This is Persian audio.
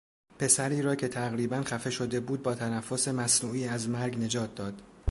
پسری را که تقریباخفه شده بود با تنفس مصنوعی از مرگ نجات داد.